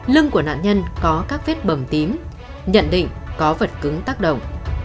lưng của nạn nhân có các vết bầm tím nhận định có vật cứng tác động